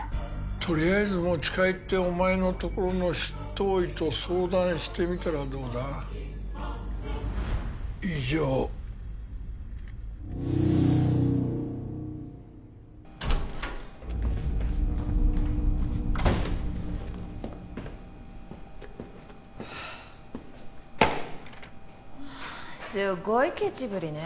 とりあえず持ち帰ってお前のところの執刀医と相談してみたらどうだ以上はあすごいケチぶりね